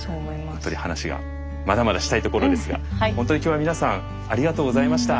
本当に話がまだまだしたいところですが本当に今日は皆さんありがとうございました。